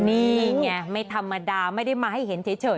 นี่ไงไม่ธรรมดาไม่ได้มาให้เห็นเฉย